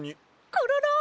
コロロ！